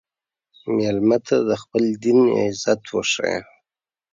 مېلمه ته د خپل دین عزت وښیه.